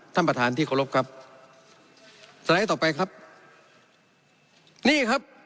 ท่านประธานที่เคารพครับสไลด์ต่อไปครับนี่ครับ